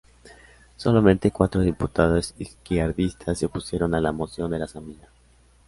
Solamente cuatro diputados izquierdistas se opusieron a la moción de la Asamblea.